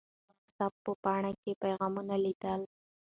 هغه د وټس اپ په پاڼه کې پیغامونه لیدل.